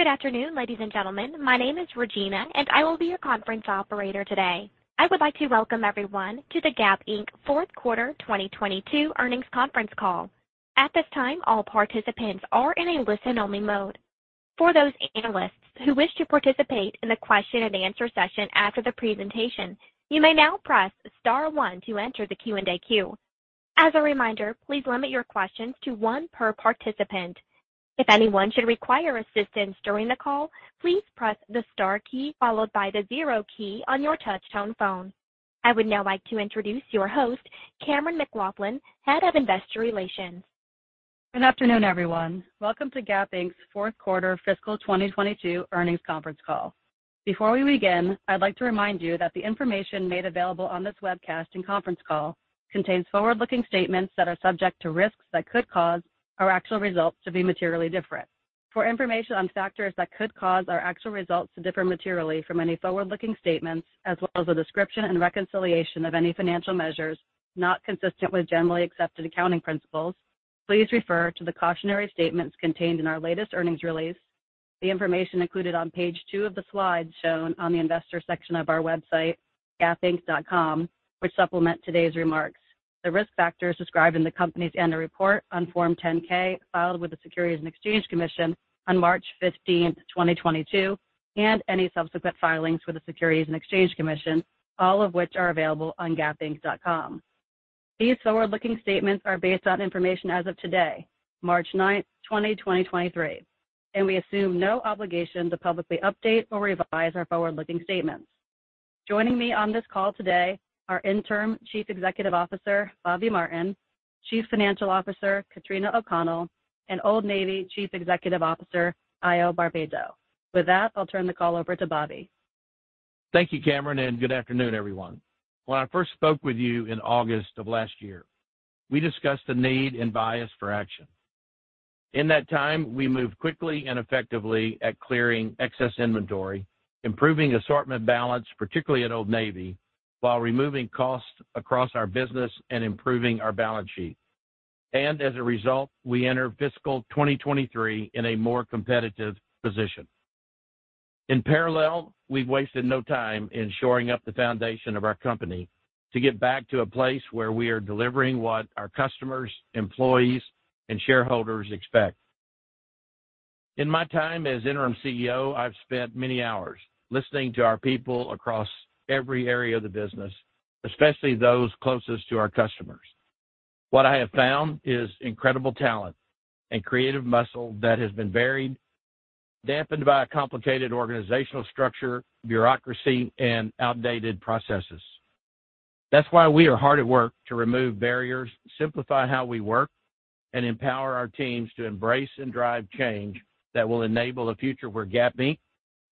Good afternoon, ladies and gentlemen. My name is Regina, and I will be your conference operator today. I would like to welcome everyone to the Gap Inc. Fourth Quarter 2022 earnings conference call. At this time, all participants are in a listen-only mode. For those analysts who wish to participate in the question and answer session after the presentation, you may now press star one to enter the Q&A queue. As a reminder, please limit your questions to one per participant. If anyone should require assistance during the call, please press the star key followed by the zero key on your touchtone phone. I would now like to introduce your host, Cammeron McLaughlin, Head of Investor Relations. Good afternoon, everyone. Welcome to Gap Inc.'s fourth quarter fiscal 2022 earnings conference call. Before we begin, I'd like to remind you that the information made available on this webcast and conference call contains forward-looking statements that are subject to risks that could cause our actual results to be materially different. For information on factors that could cause our actual results to differ materially from any forward-looking statements, as well as a description and reconciliation of any financial measures not consistent with Generally Accepted Accounting Principles, please refer to the cautionary statements contained in our latest earnings release. The information included on page 2 of the slides shown on the investor section of our website, gapinc.com, which supplement today's remarks. The risk factors described in the company's annual report on Form 10-K filed with the Securities and Exchange Commission on March 15, 2022, and any subsequent filings with the Securities and Exchange Commission, all of which are available on gapinc.com. These forward-looking statements are based on information as of today, March 9, 2023, and we assume no obligation to publicly update or revise our forward-looking statements. Joining me on this call today are interim Chief Executive Officer, Bobby Martin, Chief Financial Officer, Katrina O'Connell, and Old Navy Chief Executive Officer, Haio Barbeito. With that, I'll turn the call over to Bobby. Thank you, Cammeron, good afternoon, everyone. When I first spoke with you in August of last year, we discussed the need and bias for action. In that time, we moved quickly and effectively at clearing excess inventory, improving assortment balance, particularly at Old Navy, while removing costs across our business and improving our balance sheet. As a result, we enter fiscal 2023 in a more competitive position. In parallel, we've wasted no time in shoring up the foundation of our company to get back to a place where we are delivering what our customers, employees, and shareholders expect. In my time as interim CEO, I've spent many hours listening to our people across every area of the business, especially those closest to our customers. What I have found is incredible talent and creative muscle that has been buried, dampened by a complicated organizational structure, bureaucracy, and outdated processes. That's why we are hard at work to remove barriers, simplify how we work, and empower our teams to embrace and drive change that will enable a future where Gap Inc.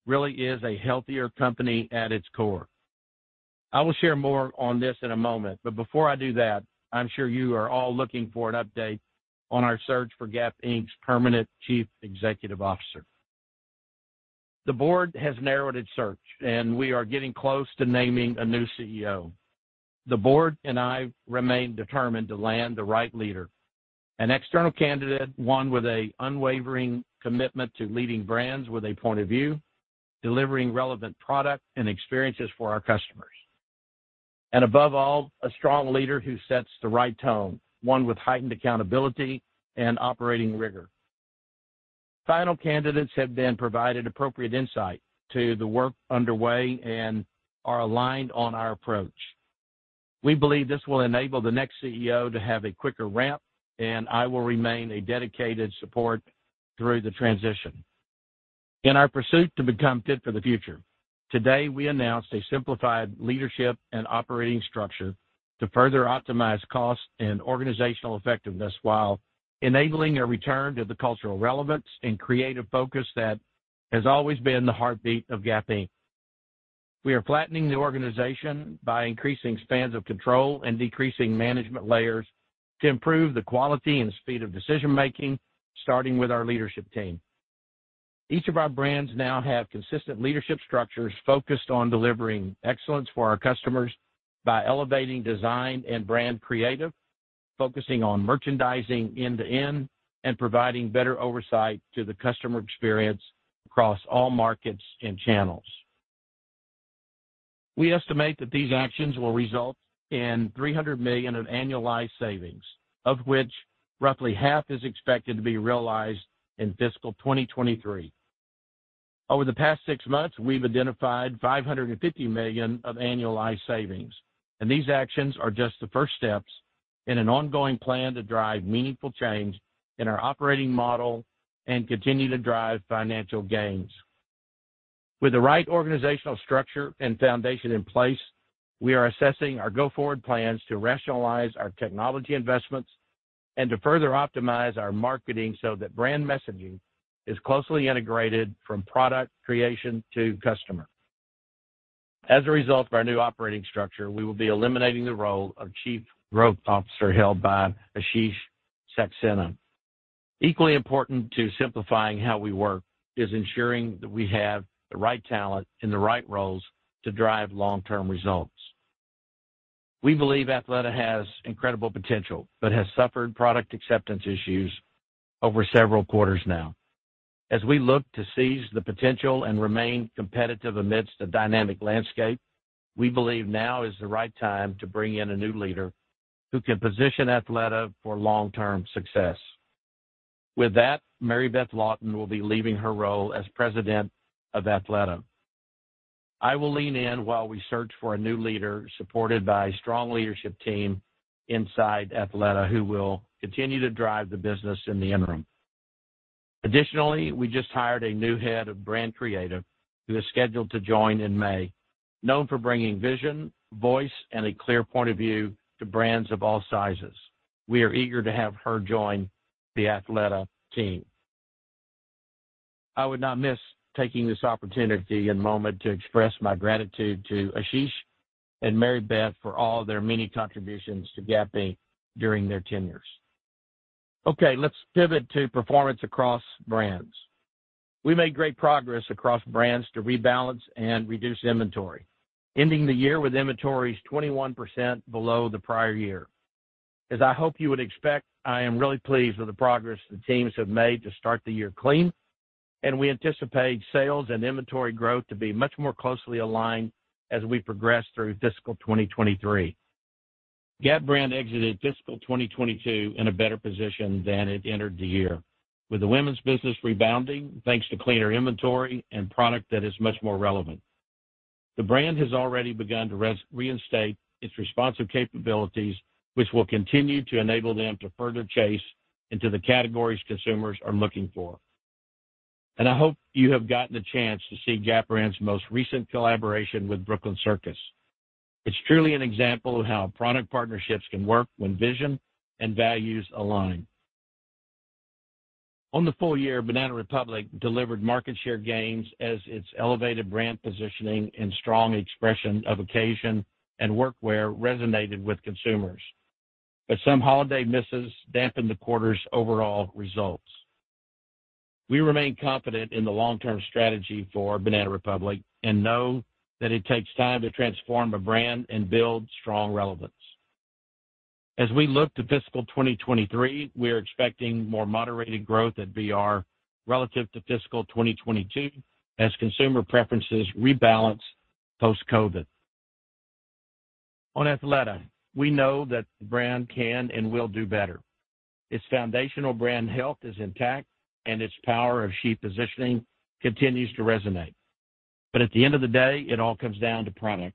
really is a healthier company at its core. I will share more on this in a moment, but before I do that, I'm sure you are all looking for an update on our search for Gap Inc.'s permanent chief executive officer. The board has narrowed its search, and we are getting close to naming a new CEO. The board and I remain determined to land the right leader, an external candidate, one with an unwavering commitment to leading brands with a point of view, delivering relevant product and experiences for our customers. Above all, a strong leader who sets the right tone, one with heightened accountability and operating rigor. Final candidates have been provided appropriate insight to the work underway and are aligned on our approach. We believe this will enable the next CEO to have a quicker ramp, and I will remain a dedicated support through the transition. In our pursuit to become fit for the future, today, we announced a simplified leadership and operating structure to further optimize cost and organizational effectiveness while enabling a return to the cultural relevance and creative focus that has always been the heartbeat of Gap Inc. We are flattening the organization by increasing spans of control and decreasing management layers to improve the quality and speed of decision-making, starting with our leadership team. Each of our brands now have consistent leadership structures focused on delivering excellence for our customers by elevating design and brand creative, focusing on merchandising end to end, and providing better oversight to the customer experience across all markets and channels. We estimate that these actions will result in $300 million of annualized savings, of which roughly half is expected to be realized in fiscal 2023. These actions are just the first steps in an ongoing plan to drive meaningful change in our operating model and continue to drive financial gains. With the right organizational structure and foundation in place, we are assessing our go-forward plans to rationalize our technology investments and to further optimize our marketing so that brand messaging is closely integrated from product creation to customer. As a result of our new operating structure, we will be eliminating the role of Chief Growth Officer held by Asheesh Saksena. Equally important to simplifying how we work is ensuring that we have the right talent in the right roles to drive long-term results. We believe Athleta has incredible potential, but has suffered product acceptance issues over several quarters now. As we look to seize the potential and remain competitive amidst a dynamic landscape, we believe now is the right time to bring in a new leader who can position Athleta for long-term success. With that, Mary Beth Laughton will be leaving her role as President of Athleta. I will lean in while we search for a new leader, supported by a strong leadership team inside Athleta, who will continue to drive the business in the interim. Additionally, we just hired a new head of brand creative who is scheduled to join in May. Known for bringing vision, voice, and a clear point of view to brands of all sizes, we are eager to have her join the Athleta team. I would not miss taking this opportunity and moment to express my gratitude to Asheesh and Mary Beth Laughton for all their many contributions to Gap Inc. during their tenures. Okay, let's pivot to performance across brands. We made great progress across brands to rebalance and reduce inventory, ending the year with inventories 21% below the prior year. As I hope you would expect, I am really pleased with the progress the teams have made to start the year clean, and we anticipate sales and inventory growth to be much more closely aligned as we progress through fiscal 2023. Gap Brand exited fiscal 2022 in a better position than it entered the year, with the women's business rebounding thanks to cleaner inventory and product that is much more relevant. The brand has already begun to reinstate its responsive capabilities, which will continue to enable them to further chase into the categories consumers are looking for. I hope you have gotten the chance to see Gap Brand's most recent collaboration with Brooklyn Circus. It's truly an example of how product partnerships can work when vision and values align. On the full year, Banana Republic delivered market share gains as its elevated brand positioning and strong expression of occasion and workwear resonated with consumers. Some holiday misses dampened the quarter's overall results. We remain confident in the long-term strategy for Banana Republic and know that it takes time to transform a brand and build strong relevance. As we look to fiscal 2023, we are expecting more moderated growth at BR relative to fiscal 2022 as consumer preferences rebalance post-COVID. On Athleta, we know that the brand can and will do better. Its foundational brand health is intact, and its power of she positioning continues to resonate. At the end of the day, it all comes down to product.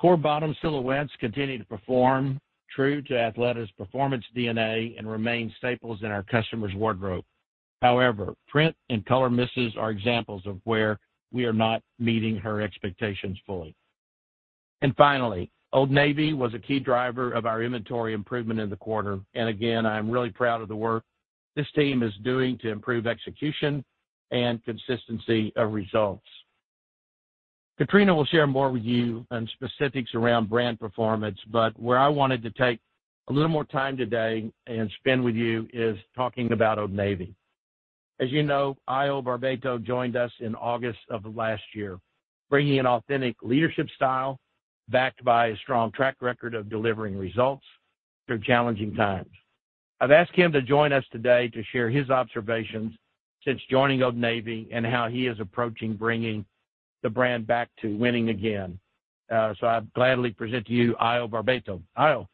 Core bottom silhouettes continue to perform true to Athleta's performance DNA and remain staples in our customers' wardrobe. However, print and color misses are examples of where we are not meeting her expectations fully. Finally, Old Navy was a key driver of our inventory improvement in the quarter. Again, I am really proud of the work this team is doing to improve execution and consistency of results. Katrina will share more with you on specifics around brand performance, but where I wanted to take a little more time today and spend with you is talking about Old Navy. As you know, Haio Barbeito joined us in August of last year, bringing an authentic leadership style backed by a strong track record of delivering results through challenging times. I've asked him to join us today to share his observations since joining Old Navy and how he is approaching bringing the brand back to winning again. I gladly present to you Haio Barbeito. Haio.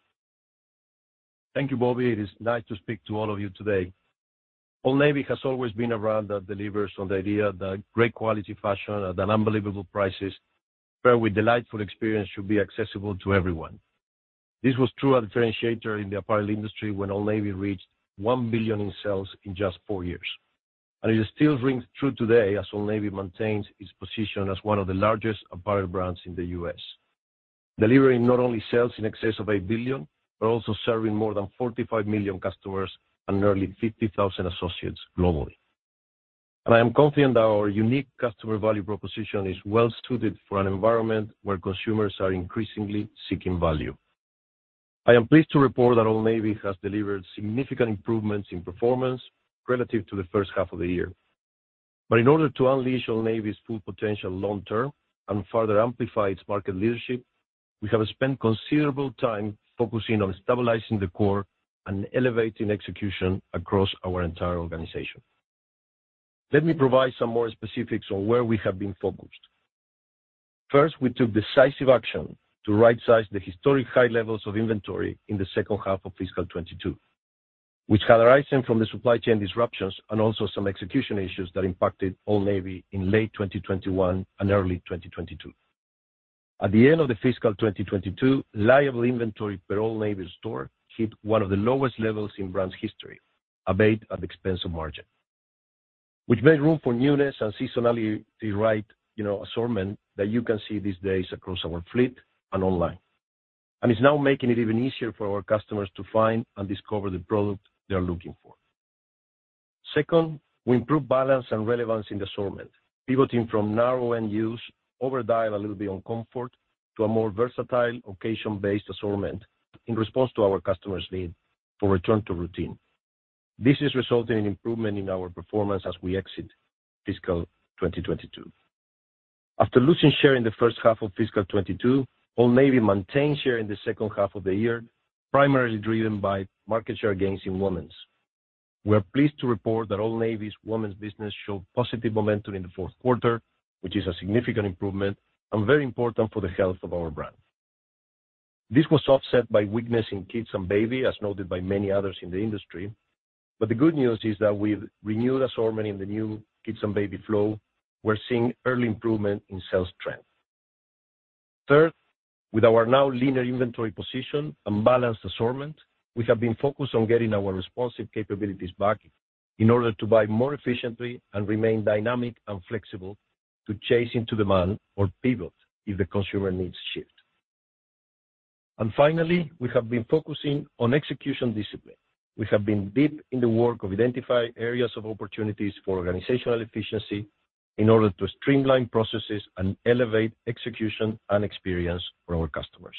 Thank you, Bobby. It is nice to speak to all of you today. Old Navy has always been a brand that delivers on the idea that great quality fashion at unbelievable prices paired with delightful experience should be accessible to everyone. This was true a differentiator in the apparel industry when Old Navy reached $1 billion in sales in just 4 years. It still rings true today as Old Navy maintains its position as one of the largest apparel brands in the U.S. Delivering not only sales in excess of $8 billion, but also serving more than 45 million customers and nearly 50,000 associates globally. I am confident that our unique customer value proposition is well suited for an environment where consumers are increasingly seeking value. I am pleased to report that Old Navy has delivered significant improvements in performance relative to the first half of the year. In order to unleash Old Navy's full potential long term and further amplify its market leadership, we have spent considerable time focusing on stabilizing the core and elevating execution across our entire organization. Let me provide some more specifics on where we have been focused. First, we took decisive action to right-size the historic high levels of inventory in the second half of fiscal 2022, which had arisen from the supply chain disruptions and also some execution issues that impacted Old Navy in late 2021 and early 2022. At the end of the fiscal 2022, liable inventory per Old Navy store hit one of the lowest levels in brand's history, albeit at the expense of margin, which made room for newness and seasonality right, you know, assortment that you can see these days across our fleet and online. It's now making it even easier for our customers to find and discover the product they are looking for. Second, we improved balance and relevance in the assortment, pivoting from narrow end use, overdial a little bit on comfort to a more versatile occasion-based assortment in response to our customer's need for return to routine. This is resulting in improvement in our performance as we exit fiscal 2022. After losing share in the first half of fiscal 2022, Old Navy maintained share in the second half of the year, primarily driven by market share gains in women's. We're pleased to report that Old Navy's women's business showed positive momentum in the fourth quarter, which is a significant improvement and very important for the health of our brand. This was offset by weakness in kids and baby, as noted by many others in the industry. The good news is that with renewed assortment in the new kids and baby flow, we're seeing early improvement in sales trend. Third, with our now linear inventory position and balanced assortment, we have been focused on getting our responsive capabilities back in order to buy more efficiently and remain dynamic and flexible to chase into demand or pivot if the consumer needs shift. Finally, we have been focusing on execution discipline. We have been deep in the work of identifying areas of opportunities for organizational efficiency in order to streamline processes and elevate execution and experience for our customers.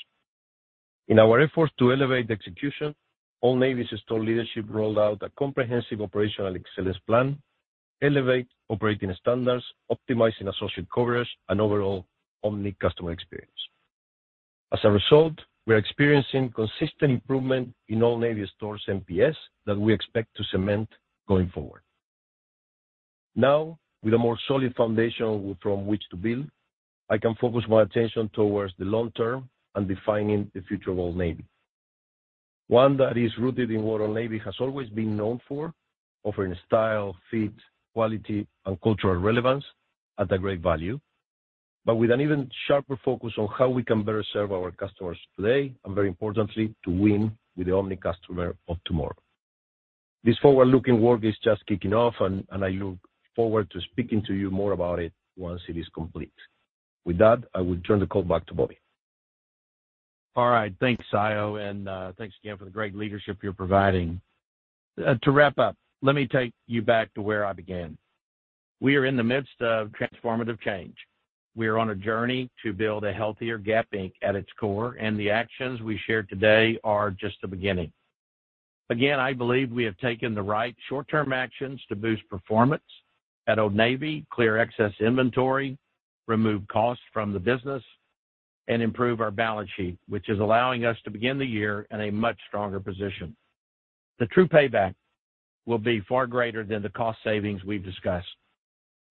In our effort to elevate execution, Old Navy's store leadership rolled out a comprehensive operational excellence plan, elevate operating standards, optimizing associate coverage and overall omni customer experience. As a result, we are experiencing consistent improvement in Old Navy stores NPS that we expect to cement going forward. Now, with a more solid foundation from which to build, I can focus my attention towards the long term and defining the future of Old Navy, one that is rooted in what Old Navy has always been known for, offering style, fit, quality, and cultural relevance at a great value, but with an even sharper focus on how we can better serve our customers today and very importantly, to win with the omni customer of tomorrow. This forward-looking work is just kicking off and I look forward to speaking to you more about it once it is complete. With that, I will turn the call back to Bobby. All right. Thanks, Haio, and thanks again for the great leadership you're providing. To wrap up, let me take you back to where I began. We are in the midst of transformative change. We are on a journey to build a healthier Gap Inc. at its core. The actions we shared today are just the beginning. Again, I believe we have taken the right short-term actions to boost performance at Old Navy, clear excess inventory, remove costs from the business, and improve our balance sheet, which is allowing us to begin the year in a much stronger position. The true payback will be far greater than the cost savings we've discussed.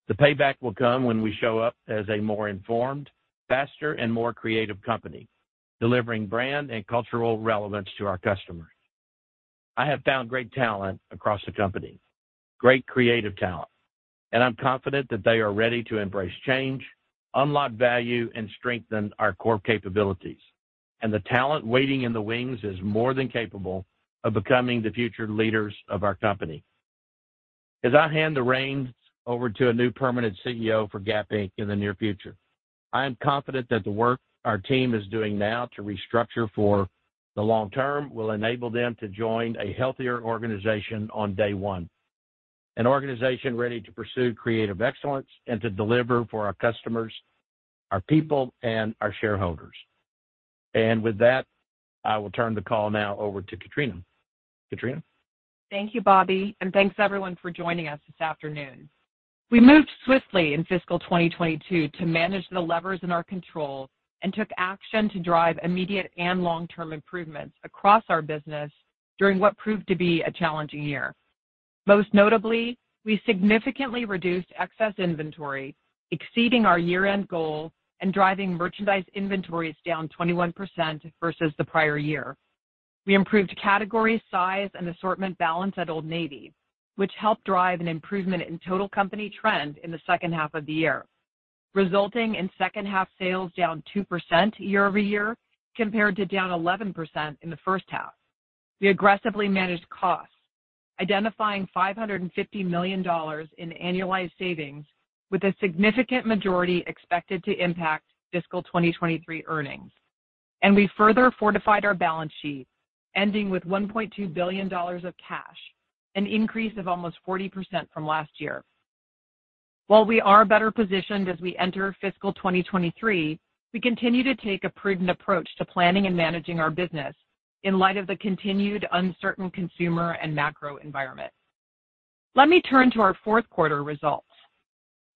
The payback will come when we show up as a more informed, faster, and more creative company, delivering brand and cultural relevance to our customers. I have found great talent across the company, great creative talent, I'm confident that they are ready to embrace change, unlock value, and strengthen our core capabilities. The talent waiting in the wings is more than capable of becoming the future leaders of our company. As I hand the reins over to a new permanent CEO for Gap Inc. in the near future, I am confident that the work our team is doing now to restructure for the long term will enable them to join a healthier organization on day one, an organization ready to pursue creative excellence and to deliver for our customers, our people, and our shareholders. With that, I will turn the call now over to Katrina. Katrina? Thank you, Bobby, and thanks everyone for joining us this afternoon. We moved swiftly in fiscal 2022 to manage the levers in our control and took action to drive immediate and long-term improvements across our business during what proved to be a challenging year. Most notably, we significantly reduced excess inventory, exceeding our year-end goal and driving merchandise inventories down 21% versus the prior year. We improved category size and assortment balance at Old Navy, which helped drive an improvement in total company trend in the second half of the year, resulting in second half sales down 2% year-over-year compared to down 11% in the first half. We aggressively managed costs, identifying $550 million in annualized savings with a significant majority expected to impact fiscal 2023 earnings. We further fortified our balance sheet, ending with $1.2 billion of cash, an increase of almost 40% from last year. While we are better positioned as we enter fiscal 2023, we continue to take a prudent approach to planning and managing our business in light of the continued uncertain consumer and macro environment. Let me turn to our fourth quarter results.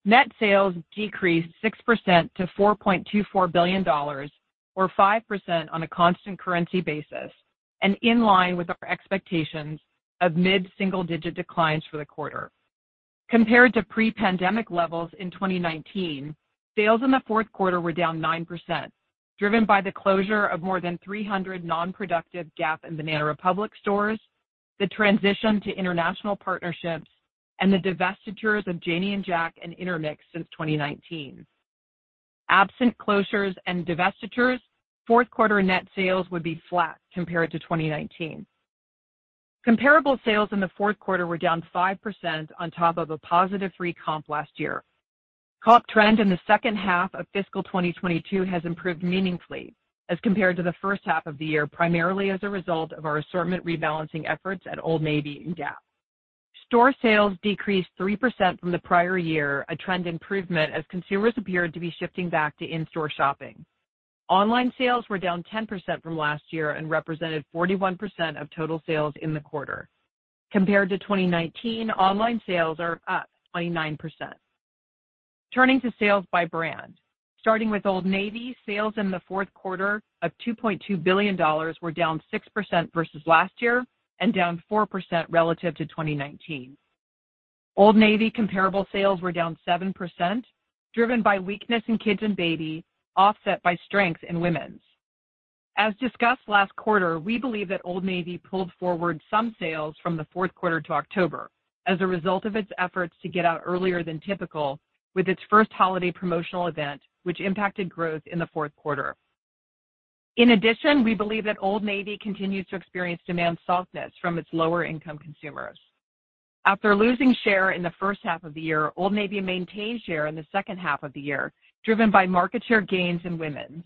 Net sales decreased 6% to $4.24 billion or 5% on a constant currency basis and in line with our expectations of mid-single-digit declines for the quarter. Compared to pre-pandemic levels in 2019, sales in the fourth quarter were down 9%, driven by the closure of more than 300 non-productive Gap and Banana Republic stores, the transition to international partnerships, and the divestitures of Janie and Jack and Intermix since 2019. Absent closures and divestitures, fourth quarter net sales would be flat compared to 2019. Comparable sales in the fourth quarter were down 5% on top of a positive 4% comp last year. Comp trend in the second half of fiscal 2022 has improved meaningfully as compared to the first half of the year, primarily as a result of our assortment rebalancing efforts at Old Navy and Gap. Store sales decreased 3% from the prior year, a trend improvement as consumers appeared to be shifting back to in-store shopping. Online sales were down 10% from last year and represented 41% of total sales in the quarter. Compared to 2019, online sales are up 29%. Turning to sales by brand. Starting with Old Navy, sales in the fourth quarter of $2.2 billion were down 6% versus last year and down 4% relative to 2019. Old Navy comparable sales were down 7%, driven by weakness in kids and baby, offset by strength in women's. As discussed last quarter, we believe that Old Navy pulled forward some sales from the fourth quarter to October as a result of its efforts to get out earlier than typical with its first holiday promotional event, which impacted growth in the fourth quarter. We believe that Old Navy continues to experience demand softness from its lower income consumers. After losing share in the first half of the year, Old Navy maintained share in the second half of the year, driven by market share gains in women's.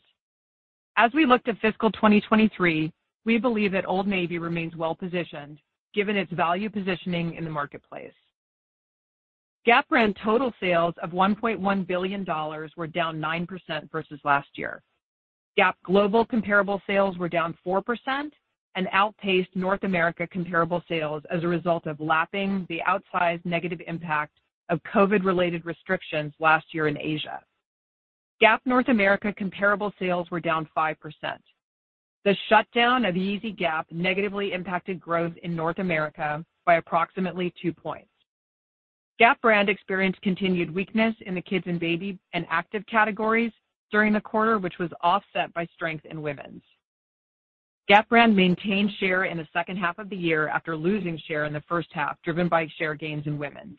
As we look to fiscal 2023, we believe that Old Navy remains well-positioned given its value positioning in the marketplace. Gap Brand total sales of $1.1 billion were down 9% versus last year. Gap Brand global comparable sales were down 4% and outpaced North America comparable sales as a result of lapping the outsized negative impact of COVID-related restrictions last year in Asia. Gap Brand North America comparable sales were down 5%. The shutdown of Yeezy Gap negatively impacted growth in North America by approximately 2 points. Gap Brand experienced continued weakness in the kids and baby and active categories during the quarter, which was offset by strength in women's. Gap Brand maintained share in the second half of the year after losing share in the first half, driven by share gains in women's.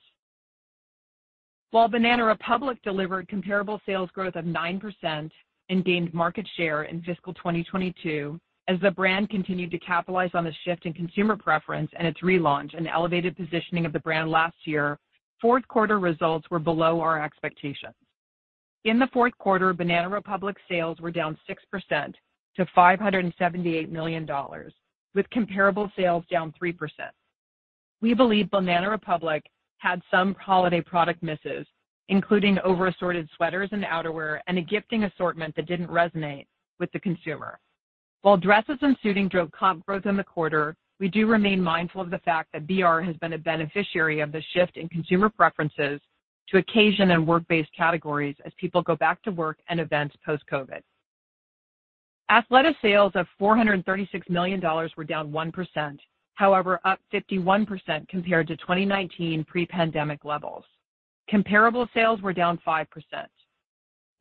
While Banana Republic delivered comparable sales growth of 9% and gained market share in fiscal 2022, as the brand continued to capitalize on the shift in consumer preference and its relaunch and elevated positioning of the brand last year, fourth quarter results were below our expectations. In the fourth quarter, Banana Republic sales were down 6% to $578 million, with comparable sales down 3%. We believe Banana Republic had some holiday product misses, including over assorted sweaters and outerwear and a gifting assortment that didn't resonate with the consumer. While dresses and suiting drove comp growth in the quarter, we do remain mindful of the fact that BR has been a beneficiary of the shift in consumer preferences to occasion and work-based categories as people go back to work and events post-COVID. Athleta sales of $436 million were down 1%, however, up 51% compared to 2019 pre-pandemic levels. Comparable sales were down 5%.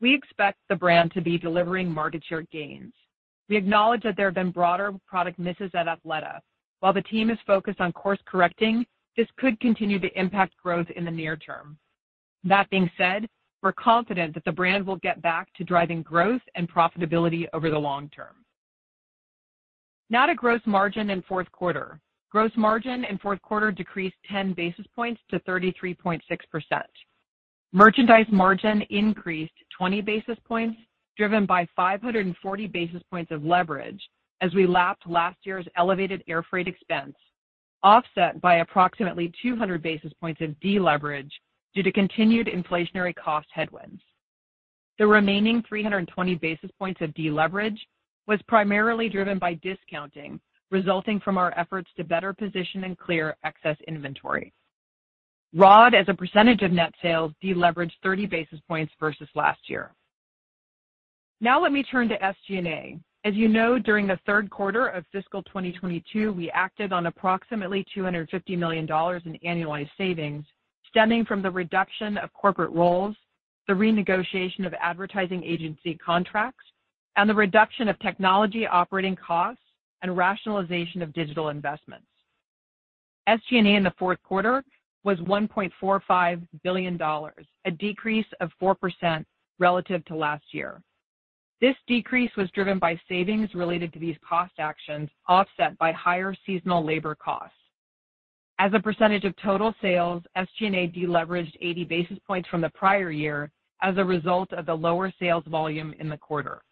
We expect the brand to be delivering market share gains. We acknowledge that there have been broader product misses at Athleta. While the team is focused on course correcting, this could continue to impact growth in the near term. That being said, we're confident that the brand will get back to driving growth and profitability over the long term. Now to gross margin in fourth quarter. Gross margin in fourth quarter decreased 10 basis points to 33.6%. Merchandise margin increased 20 basis points, driven by 540 basis points of leverage as we lapped last year's elevated airfreight expense, offset by approximately 200 basis points of deleverage due to continued inflationary cost headwinds. The remaining 320 basis points of deleverage was primarily driven by discounting, resulting from our efforts to better position and clear excess inventory. ROD as a percentage of net sales deleveraged 30 basis points versus last year. Now let me turn to SG&A. As you know, during the third quarter of fiscal 2022, we acted on approximately $250 million in annualized savings stemming from the reduction of corporate roles, the renegotiation of advertising agency contracts, and the reduction of technology operating costs and rationalization of digital investments. SG&A in the fourth quarter was $1.45 billion, a decrease of 4% relative to last year. This decrease was driven by savings related to these cost actions, offset by higher seasonal labor costs. As a percentage of total sales, SG&A deleveraged 80 basis points from the prior year as a result of the lower sales volume in the quarter.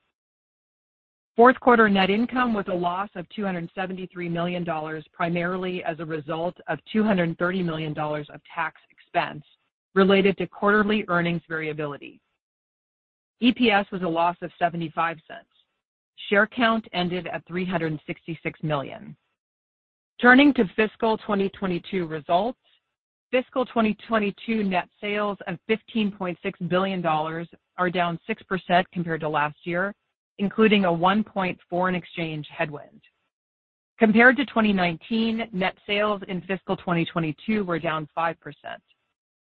Fourth quarter net income was a loss of $273 million, primarily as a result of $230 million of tax expense related to quarterly earnings variability. EPS was a loss of $0.75. Share count ended at 366 million. Turning to fiscal 2022 results. Fiscal 2022 net sales of $15.6 billion are down 6% compared to last year, including a 1 point foreign exchange headwind. Compared to 2019, net sales in fiscal 2022 were down 5%.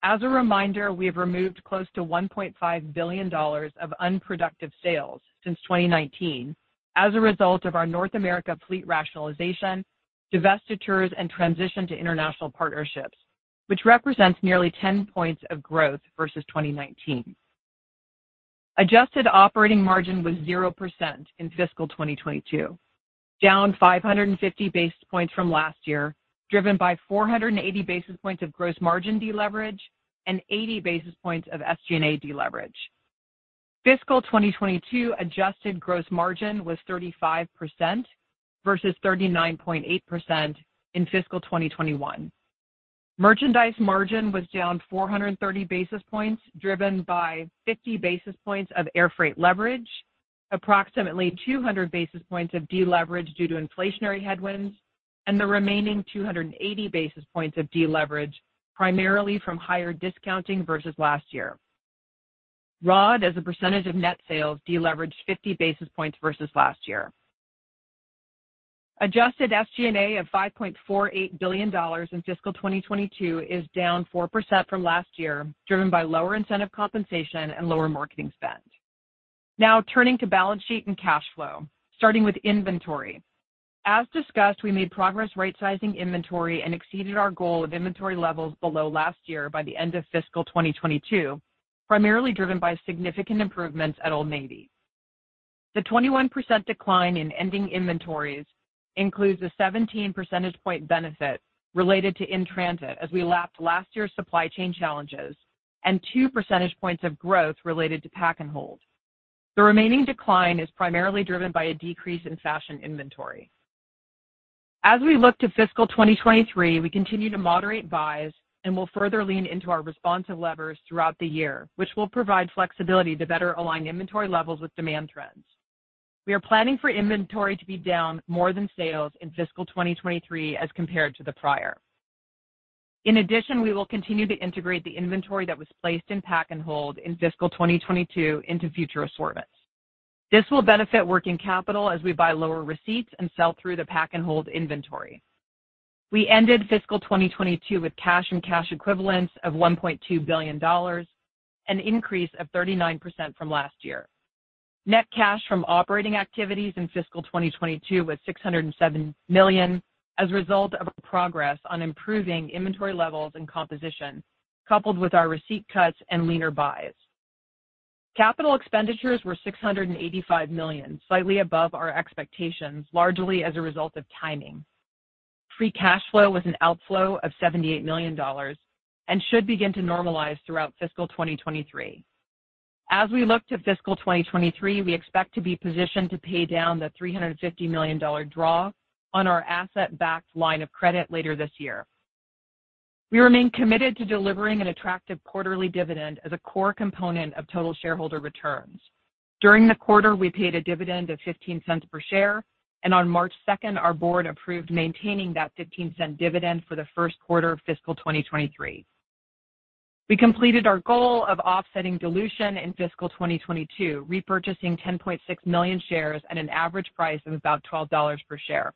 As a reminder, we have removed close to $1.5 billion of unproductive sales since 2019 as a result of our North America fleet rationalization, divestitures, and transition to international partnerships, which represents nearly 10 points of growth versus 2019. Adjusted operating margin was 0% in fiscal 2022, down 550 basis points from last year, driven by 480 basis points of gross margin deleverage and 80 basis points of SG&A deleverage. Fiscal 2022 adjusted gross margin was 35% versus 39.8% in fiscal 2021. Merchandise margin was down 430 basis points, driven by 50 basis points of air freight leverage, approximately 200 basis points of deleverage due to inflationary headwinds and the remaining 280 basis points of deleverage, primarily from higher discounting versus last year. ROD as a percentage of net sales deleveraged 50 basis points versus last year. Adjusted SG&A of $5.48 billion in fiscal 2022 is down 4% from last year, driven by lower incentive compensation and lower marketing spend. Turning to balance sheet and cash flow, starting with inventory. As discussed, we made progress rightsizing inventory and exceeded our goal of inventory levels below last year by the end of fiscal 2022, primarily driven by significant improvements at Old Navy. The 21% decline in ending inventories includes a 17 percentage point benefit related to in-transit as we lapped last year's supply chain challenges and 2 percentage points of growth related to pack and hold. The remaining decline is primarily driven by a decrease in fashion inventory. As we look to fiscal 2023, we continue to moderate buys and will further lean into our responsive levers throughout the year, which will provide flexibility to better align inventory levels with demand trends. We are planning for inventory to be down more than sales in fiscal 2023 as compared to the prior. We will continue to integrate the inventory that was placed in pack and hold in fiscal 2022 into future assortments. This will benefit working capital as we buy lower receipts and sell through the pack and hold inventory. We ended fiscal 2022 with cash and cash equivalents of $1.2 billion, an increase of 39% from last year. Net cash from operating activities in fiscal 2022 was $607 million as a result of our progress on improving inventory levels and composition, coupled with our receipt cuts and leaner buys. Capital expenditures were $685 million, slightly above our expectations, largely as a result of timing. Free cash flow was an outflow of $78 million and should begin to normalize throughout fiscal 2023. As we look to fiscal 2023, we expect to be positioned to pay down the $350 million draw on our asset-backed line of credit later this year. We remain committed to delivering an attractive quarterly dividend as a core component of total shareholder returns. During the quarter, we paid a dividend of $0.15 per share, and on March 2nd, our board approved maintaining that $0.15 dividend for the first quarter of fiscal 2023. We completed our goal of offsetting dilution in fiscal 2022, repurchasing 10.6 million shares at an average price of about $12 per share.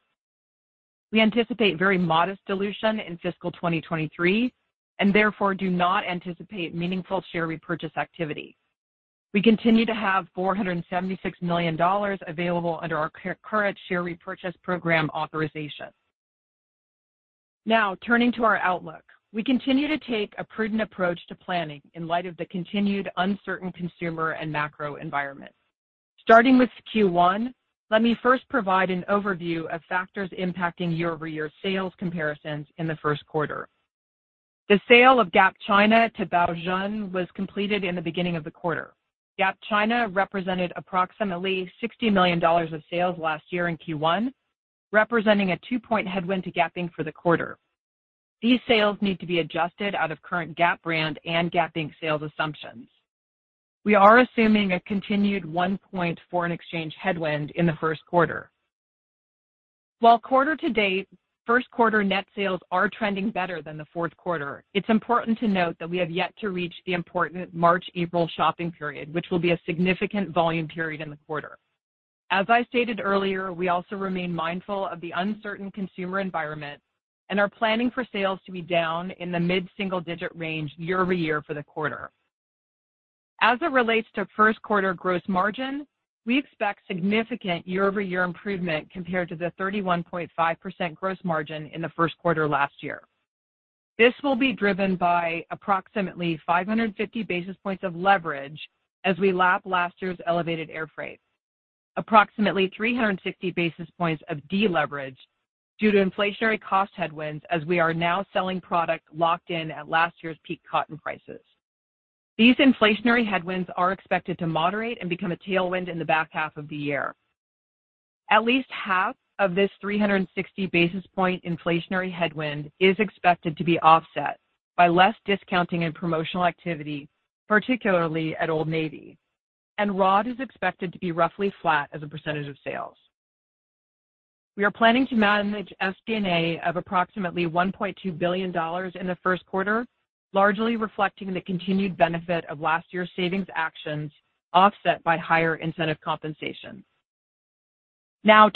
We anticipate very modest dilution in fiscal 2023 and therefore do not anticipate meaningful share repurchase activity. We continue to have $476 million available under our current share repurchase program authorization. Turning to our outlook. We continue to take a prudent approach to planning in light of the continued uncertain consumer and macro environment. Starting with Q1, let me first provide an overview of factors impacting year-over-year sales comparisons in the first quarter. The sale of Gap China to Baozun was completed in the beginning of the quarter. Gap China represented approximately $60 million of sales last year in Q1, representing a 2-point headwind to Gap Inc. for the quarter. These sales need to be adjusted out of current Gap Brand and Gap Inc. sales assumptions. We are assuming a continued 1 point foreign exchange headwind in the first quarter. While quarter-to-date, first quarter net sales are trending better than the fourth quarter, it's important to note that we have yet to reach the important March-April shopping period, which will be a significant volume period in the quarter. As I stated earlier, we also remain mindful of the uncertain consumer environment and are planning for sales to be down in the mid-single digit range year-over-year for the quarter. As it relates to first quarter gross margin, we expect significant year-over-year improvement compared to the 31.5% gross margin in the first quarter last year. This will be driven by approximately 550 basis points of leverage as we lap last year's elevated air freight. Approximately 360 basis points of deleverage due to inflationary cost headwinds as we are now selling product locked in at last year's peak cotton prices. These inflationary headwinds are expected to moderate and become a tailwind in the back half of the year. At least half of this 360 basis point inflationary headwind is expected to be offset by less discounting and promotional activity, particularly at Old Navy, and raw is expected to be roughly flat as a % of sales. We are planning to manage SG&A of approximately $1.2 billion in the first quarter, largely reflecting the continued benefit of last year's savings actions, offset by higher incentive compensation.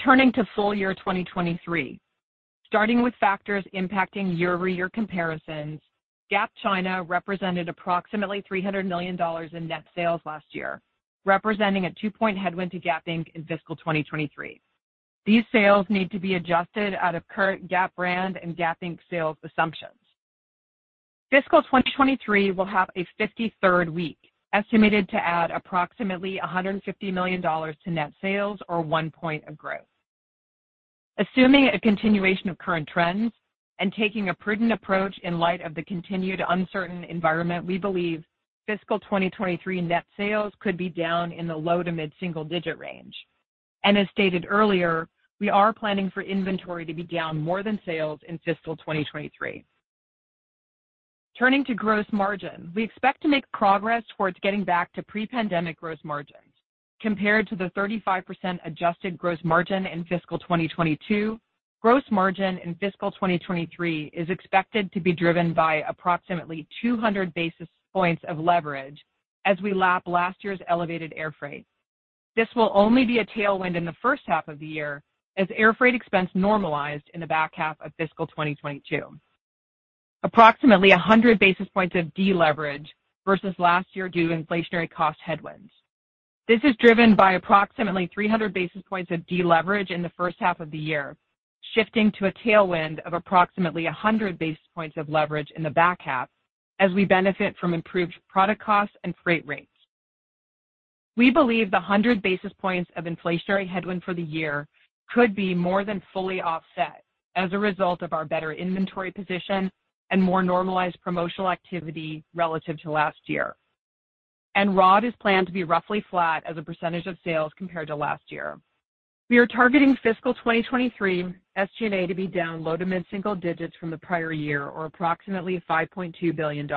Turning to full year 2023. Starting with factors impacting year-over-year comparisons, Gap China represented approximately $300 million in net sales last year, representing a two-point headwind to Gap Inc. in fiscal 2023. These sales need to be adjusted out of current Gap Brand and Gap Inc. sales assumptions. Fiscal 2023 will have a 53rd week, estimated to add approximately $150 million to net sales or one point of growth. Assuming a continuation of current trends and taking a prudent approach in light of the continued uncertain environment, we believe fiscal 2023 net sales could be down in the low to mid-single-digit range. As stated earlier, we are planning for inventory to be down more than sales in fiscal 2023. Turning to gross margin. We expect to make progress towards getting back to pre-pandemic gross margins. Compared to the 35% adjusted gross margin in fiscal 2022, gross margin in fiscal 2023 is expected to be driven by approximately 200 basis points of leverage as we lap last year's elevated air freight. This will only be a tailwind in the first half of the year as air freight expense normalized in the back half of fiscal 2022. Approximately 100 basis points of deleverage versus last year due to inflationary cost headwinds. This is driven by approximately 300 basis points of deleverage in the first half of the year, shifting to a tailwind of approximately 100 basis points of leverage in the back half as we benefit from improved product costs and freight rates. We believe the 100 basis points of inflationary headwind for the year could be more than fully offset as a result of our better inventory position and more normalized promotional activity relative to last year. ROD is planned to be roughly flat as a % of sales compared to last year. We are targeting fiscal 2023 SG&A to be down low to mid-single digits from the prior year, or approximately $5.2 billion.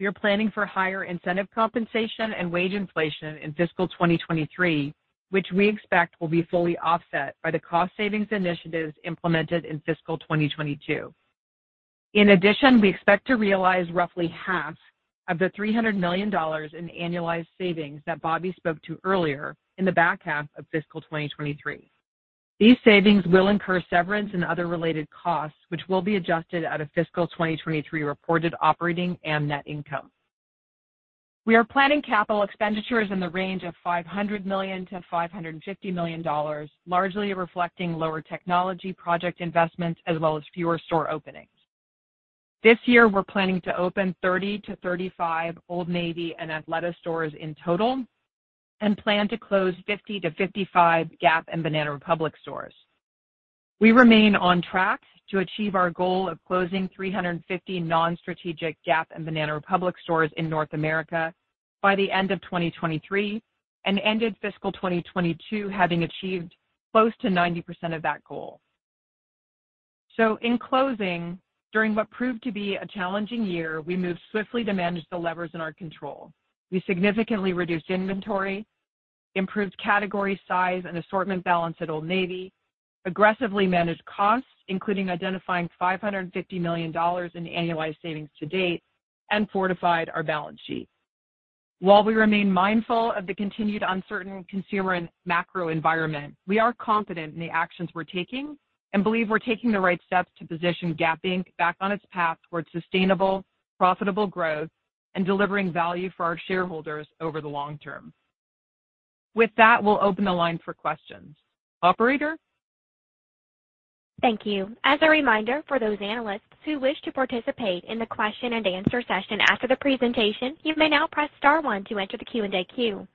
We are planning for higher incentive compensation and wage inflation in fiscal 2023, which we expect will be fully offset by the cost savings initiatives implemented in fiscal 2022. We expect to realize roughly half of the $300 million in annualized savings that Bobby spoke to earlier in the back half of fiscal 2023. These savings will incur severance and other related costs, which will be adjusted out of fiscal 2023 reported operating and net income. We are planning capital expenditures in the range of $500 million-$550 million, largely reflecting lower technology project investments as well as fewer store openings. This year, we're planning to open 30-35 Old Navy and Athleta stores in total and plan to close 50-55 Gap and Banana Republic stores. We remain on track to achieve our goal of closing 350 non-strategic Gap Brand and Banana Republic stores in North America by the end of 2023 and ended fiscal 2022 having achieved close to 90% of that goal. In closing, during what proved to be a challenging year, we moved swiftly to manage the levers in our control. We significantly reduced inventory, improved category size and assortment balance at Old Navy, aggressively managed costs, including identifying $550 million in annualized savings to date, and fortified our balance sheet. While we remain mindful of the continued uncertain consumer and macro environment, we are confident in the actions we're taking and believe we're taking the right steps to position Gap Inc. back on its path towards sustainable, profitable growth and delivering value for our shareholders over the long term. With that, we'll open the line for questions. Operator? Thank you. As a reminder for those analysts who wish to participate in the question and answer session after the presentation, you may now press star one to enter the Q&A queue.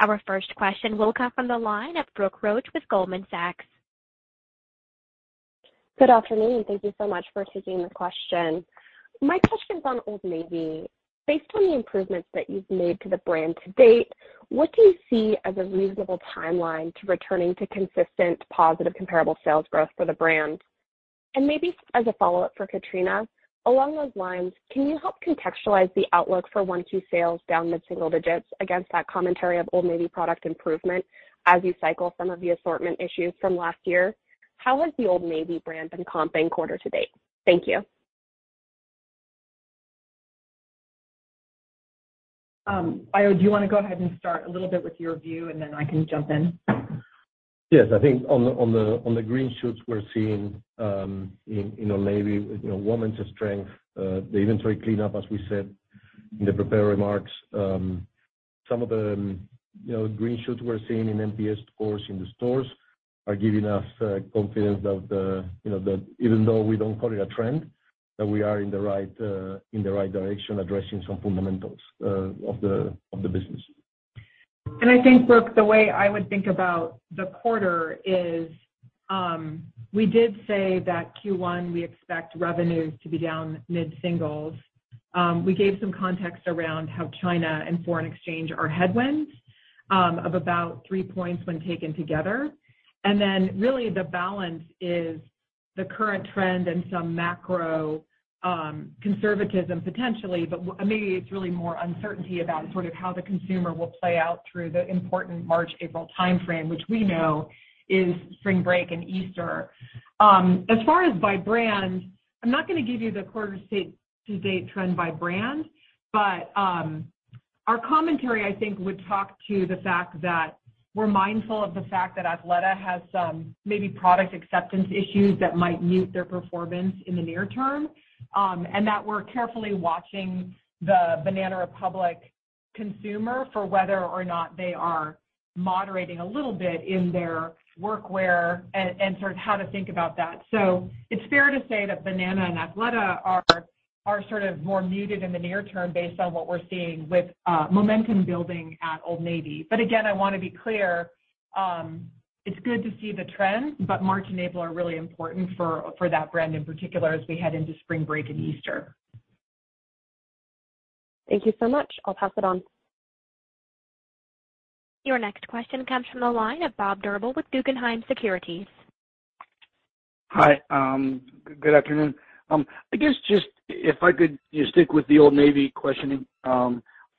Our first question will come from the line of Brooke Roach with Goldman Sachs. Good afternoon. Thank you so much for taking the question. My question is on Old Navy. Based on the improvements that you've made to the brand to date, what do you see as a reasonable timeline to returning to consistent positive comparable sales growth for the brand? Maybe as a follow-up for Katrina, along those lines, can you help contextualize the outlook for once you sales down mid-single digits against that commentary of Old Navy product improvement as you cycle some of the assortment issues from last year? How has the Old Navy brand been comping quarter to date? Thank you. Haio, do you wanna go ahead and start a little bit with your view, and then I can jump in? Yes. I think on the green shoots we're seeing, in Old Navy, you know, woman's strength, the inventory cleanup, as we said in the prepared remarks. Some of the, you know, green shoots we're seeing in MPS stores are giving us confidence that, you know, that even though we don't call it a trend, that we are in the right direction, addressing some fundamentals of the business. I think, Brooke, the way I would think about the quarter is, we did say that Q1, we expect revenues to be down mid-singles. We gave some context around how China and foreign exchange are headwinds of about 3 points when taken together. Really the balance is the current trend and some macro conservatism potentially, but maybe it's really more uncertainty about sort of how the consumer will play out through the important March, April timeframe, which we know is spring break and Easter. As far as by brand, I'm not gonna give you the quarter to date trend by brand. Our commentary, I think, would talk to the fact that we're mindful of the fact that Athleta has some maybe product acceptance issues that might mute their performance in the near term. That we're carefully watching the Banana Republic consumer for whether or not they are moderating a little bit in their work wear and sort of how to think about that. It's fair to say that Banana and Athleta are sort of more muted in the near term based on what we're seeing with momentum building at Old Navy. I wanna be clear, it's good to see the trend, but March and April are really important for that brand in particular as we head into spring break and Easter. Thank you so much. I'll pass it on. Your next question comes from the line of Bob Drbul with Guggenheim Securities. Hi, good afternoon. I guess just if I could just stick with the Old Navy questioning.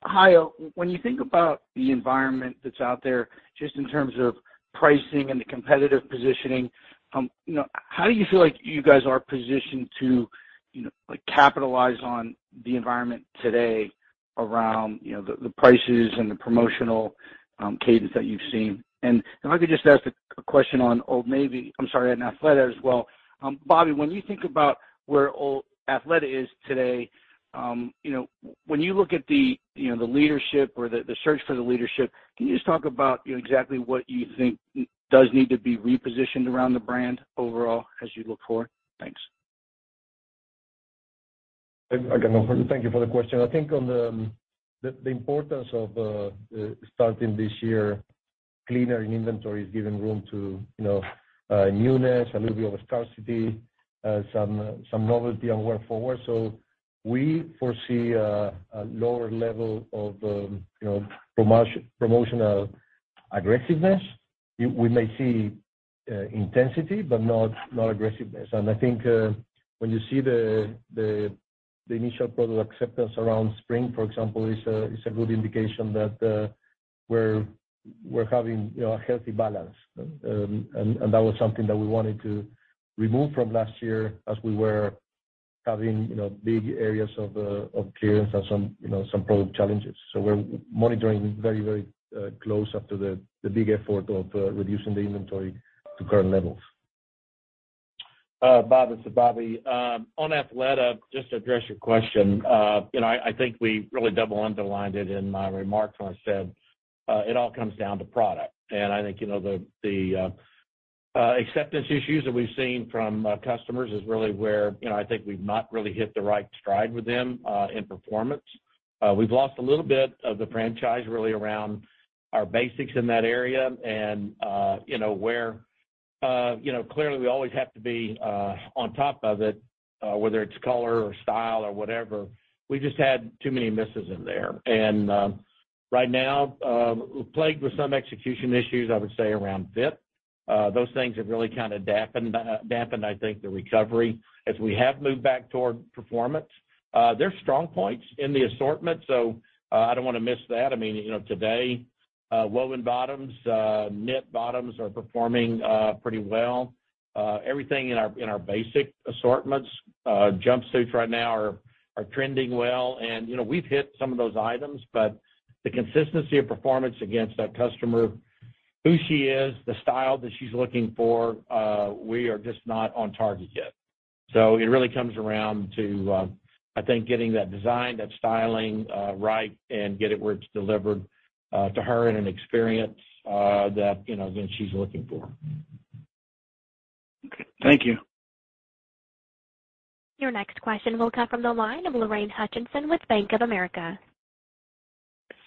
Haio, when you think about the environment that's out there, just in terms of pricing and the competitive positioning, you know, how do you feel like you guys are positioned to, you know, like, capitalize on the environment today around, you know, the prices and the promotional cadence that you've seen? If I could just ask a question on Old Navy, I'm sorry, and Athleta as well. Bobby, when you think about where Athleta is today, you know, when you look at the, you know, the leadership or the search for the leadership, can you just talk about, you know, exactly what you think does need to be repositioned around the brand overall as you look forward? Thanks. Again, thank you for the question. I think on the importance of starting this year cleaner in inventory is giving room to, you know, newness, a little bit of a scarcity, some novelty and going forward. We foresee a lower level of, you know, promotional aggressiveness. We may see intensity but not aggressiveness. I think when you see the initial product acceptance around spring, for example, is a good indication that we're having, you know, a healthy balance. And that was something that we wanted to remove from last year as we were having, you know, big areas of clearance and some, you know, some product challenges. We're monitoring very close after the big effort of reducing the inventory to current levels. Bob, this is Bobby. On Athleta, just to address your question. You know, I think we really double underlined it in my remarks when I said, it all comes down to product. I think, you know, the acceptance issues that we've seen from customers is really where, you know, I think we've not really hit the right stride with them in performance. We've lost a little bit of the franchise really around our basics in that area and, you know, where, you know, clearly we always have to be on top of it, whether it's color or style or whatever. We just had too many misses in there. Right now, plagued with some execution issues, I would say around fit. Those things have really kinda dampened, I think, the recovery as we have moved back toward performance. There are strong points in the assortment, so, I don't wanna miss that. I mean, you know, today, woven bottoms, knit bottoms are performing pretty well. Everything in our basic assortments, jumpsuits right now are trending well. You know, we've hit some of those items, but the consistency of performance against our customer, who she is, the style that she's looking for, we are just not on target yet. It really comes around to, I think getting that design, that styling, right and get it where it's delivered, to her in an experience, that, you know, that she's looking for. Okay. Thank you. Your next question will come from the line of Lorraine Hutchinson with Bank of America.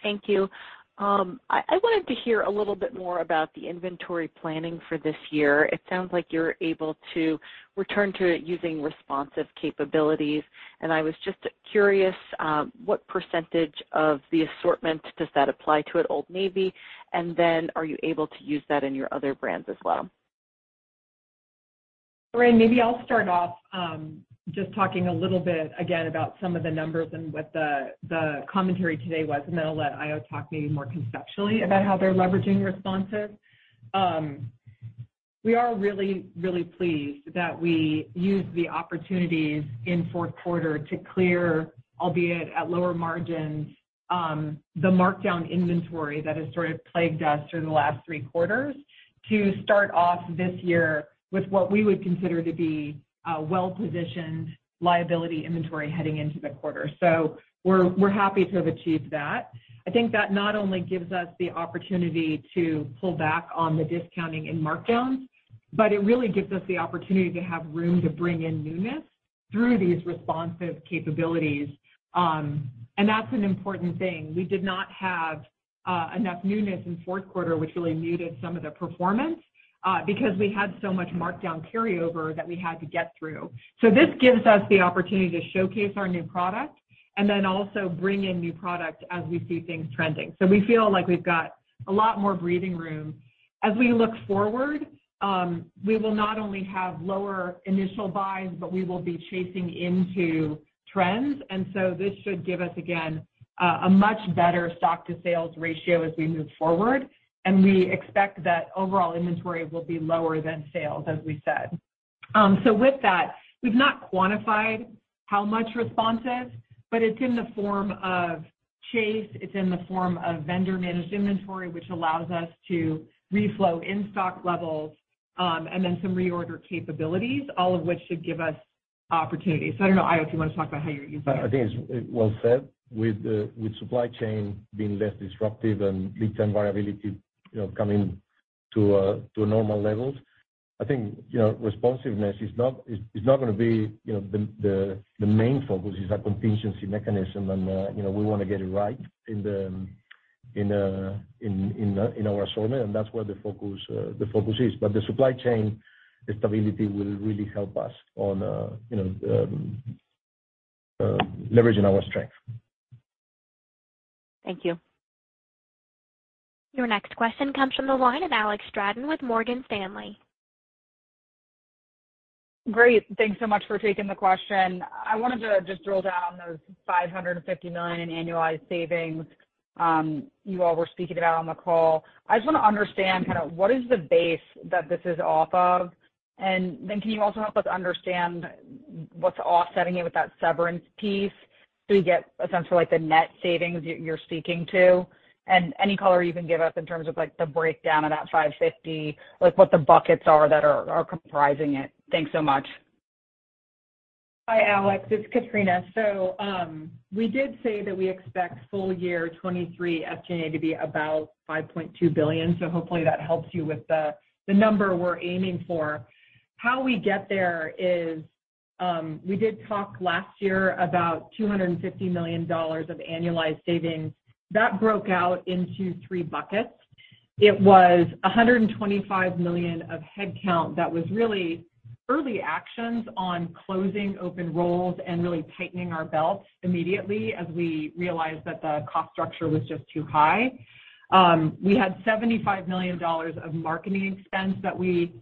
Thank you. I wanted to hear a little bit more about the inventory planning for this year. It sounds like you're able to return to using responsive capabilities. I was just curious, what percentage of the assortment does that apply to at Old Navy? Then are you able to use that in your other brands as well? Lorraine, maybe I'll start off, just talking a little bit again about some of the numbers and what the commentary today was, and then I'll let Haio talk maybe more conceptually about how they're leveraging responsive. We are really, really pleased that we used the opportunities in fourth quarter to clear, albeit at lower margins, the markdown inventory that has sort of plagued us through the last three quarters to start off this year with what we would consider to be a well-positioned liability inventory heading into the quarter. We're, we're happy to have achieved that. I think that not only gives us the opportunity to pull back on the discounting and markdowns, but it really gives us the opportunity to have room to bring in newness through these responsive capabilities. That's an important thing. We did not have enough newness in fourth quarter, which really muted some of the performance because we had so much markdown carryover that we had to get through. This gives us the opportunity to showcase our new product and then also bring in new product as we see things trending. We feel like we've got a lot more breathing room. As we look forward, we will not only have lower initial buys, but we will be chasing into trends. This should give us, again, a much better stock to sales ratio as we move forward. We expect that overall inventory will be lower than sales, as we said. With that, we've not quantified how much responsive, but it's in the form of chase, it's in the form of vendor managed inventory, which allows us to reflow in stock levels, and then some reorder capabilities, all of which should give us opportunities. I don't know, Haio, if you wanna talk about how you're using it? I think it's well said. With supply chain being less disruptive and lead time variability, you know, coming to normal levels, I think, you know, responsiveness is not gonna be, you know, the main focus. It's a contingency mechanism and, you know, we wanna get it right in the... In our assortment, that's where the focus is. The supply chain stability will really help us on, you know, leveraging our strength. Thank you. Your next question comes from the line of Alex Straton with Morgan Stanley. Great. Thanks so much for taking the question. I wanted to just drill down those $550 million in annualized savings, you all were speaking about on the call. I just wanna understand kinda what is the base that this is off of, and then can you also help us understand what's offsetting it with that severance piece, so we get a sense for like the net savings you're speaking to? And any color you can give us in terms of like the breakdown of that $550, like what the buckets are that are comprising it. Thanks so much. Hi, Alex. It's Katrina. We did say that we expect full year 2023 SG&A to be about $5.2 billion. Hopefully that helps you with the number we're aiming for. How we get there is, we did talk last year about $250 million of annualized savings. That broke out into three buckets. It was $125 million of headcount that was really early actions on closing open roles and really tightening our belts immediately as we realized that the cost structure was just too high. We had $75 million of marketing expense that we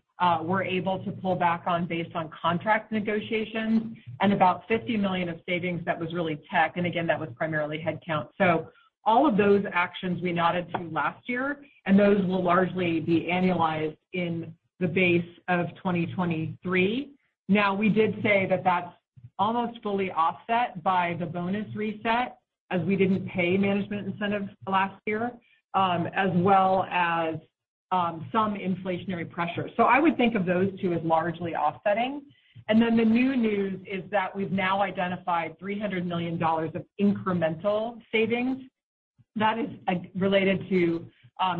were able to pull back on based on contract negotiations, and about $50 million of savings that was really tech, and again, that was primarily headcount. All of those actions we nodded to last year, and those will largely be annualized in the base of 2023. Now, we did say that that's almost fully offset by the bonus reset, as we didn't pay management incentives last year, as well as, some inflationary pressure. I would think of those two as largely offsetting. The new news is that we've now identified $300 million of incremental savings. That is, related to,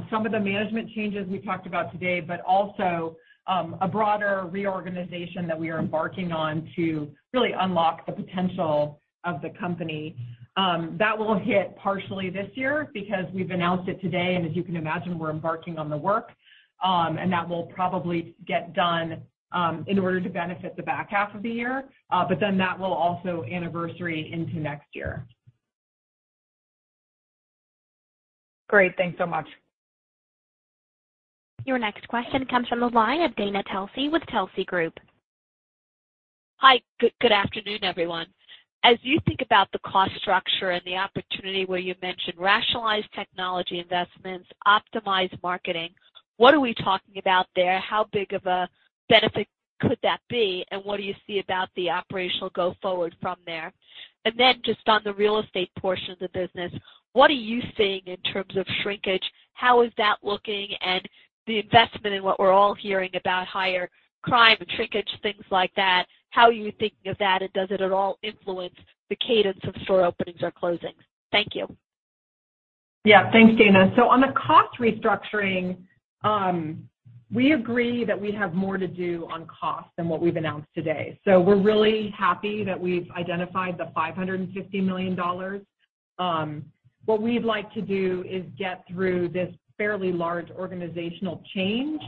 some of the management changes we talked about today, but also, a broader reorganization that we are embarking on to really unlock the potential of the company. That will hit partially this year because we've announced it today, as you can imagine, we're embarking on the work, and that will probably get done, in order to benefit the back half of the year. That will also anniversary into next year. Great. Thanks so much. Your next question comes from the line of Dana Telsey with Telsey Group. Hi. Good afternoon, everyone. As you think about the cost structure and the opportunity where you mentioned rationalized technology investments, optimized marketing, what are we talking about there? How big of a benefit could that be, and what do you see about the operational go forward from there? Then just on the real estate portion of the business, what are you seeing in terms of shrinkage? How is that looking and the investment in what we're all hearing about higher crime, shrinkage, things like that, how are you thinking of that, and does it at all influence the cadence of store openings or closings? Thank you. Thanks, Dana. On the cost restructuring, we agree that we have more to do on cost than what we've announced today. We're really happy that we've identified the $550 million. What we'd like to do is get through this fairly large organizational change